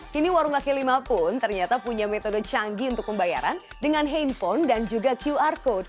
kini warung kaki lima pun ternyata punya metode canggih untuk pembayaran dengan handphone dan juga qr code